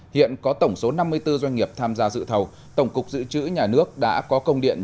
hiện có tổng số năm mươi bốn doanh nghiệp tham gia dự thầu tổng cục dự trữ nhà nước đã có công điện